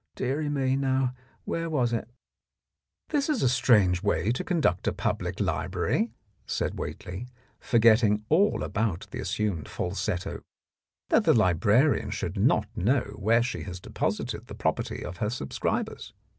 Deary me, now, where was it ?" "This is a strange way to conduct a public library," said Whately, forgetting all about the assumed falsetto, "that the librarian should not know where she has deposited the property of her sub scribers.